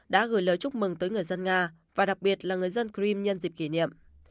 đã gửi lời chúc mừng tới người dân nga và đặc biệt là người dân kriam nhân dịp kỷ niệm